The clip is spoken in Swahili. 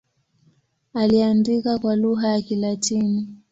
Aliandika kwa lugha ya Kilatini.